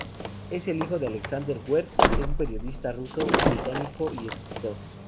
Es el hijo de Alexander Werth, un periodista ruso-británico y escritor.